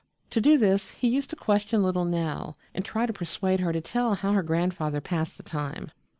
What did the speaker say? To do this he used to question little Nell and try to persuade her to tell how her grandfather passed the time.